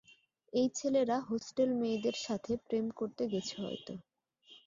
এই ছেলেরা হোস্টেল মেয়েদের সাথে প্রেম করতে গেছে হয়তো।